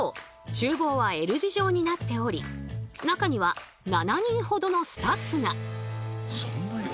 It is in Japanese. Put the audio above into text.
厨房はＬ字状になっており中には７人ほどのスタッフが。